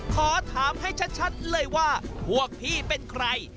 ขอถามให้ชัดเลยว่าพวกพี่เป็นใคร